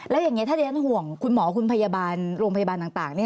แล้วอย่างนี้ถ้าดิฉันห่วงคุณหมอคุณพยาบาลโรงพยาบาลต่าง